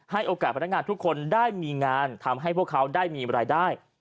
โอกาสพนักงานทุกคนได้มีงานทำให้พวกเขาได้มีรายได้